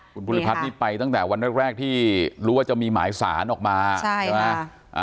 ผู้นี่ไปตั้งแต่วันแรกแรกที่รู้ว่าจะมีหมายสารออกมาใช่มั้ย